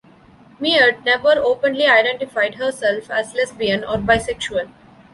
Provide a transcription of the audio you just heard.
Mead never openly identified herself as lesbian or bisexual.